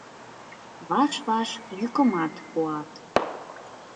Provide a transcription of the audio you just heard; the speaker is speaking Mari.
Ваш-ваш йӱкымат пуат.